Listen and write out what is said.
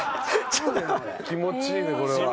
気持ちいいねこれは。